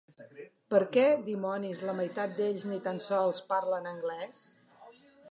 Per què, dimonis, la meitat d'ells ni tan sols parlen anglès.